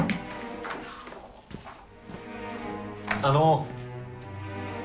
あの。